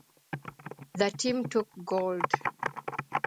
The team took gold.